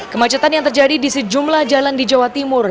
kemacetan yang terjadi di sejumlah jalan di jawa timur